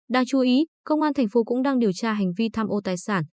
đáng chú ý công an tp hcm cũng đang điều tra hành vi thăm ô tài sản